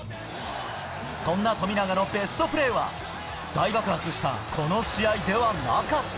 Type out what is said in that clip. そんな富永のベストプレーは、大爆発した、この試合ではなかった。